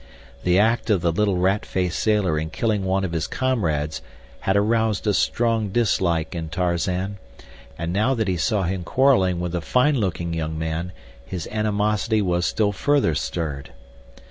The act of the little rat faced sailor in killing one of his comrades had aroused a strong dislike in Tarzan, and now that he saw him quarreling with the fine looking young man his animosity was still further stirred.